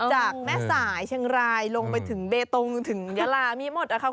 จากแม่สายเชียงรายลงไปถึงเบตงถึงยาลามีหมดนะคะ